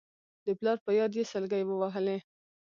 د پلار په ياد يې سلګۍ ووهلې.